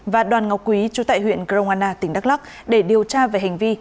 và đoàn ngọc quý chú tại huyện grongana tỉnh đắk lóc để điều tra về hành vi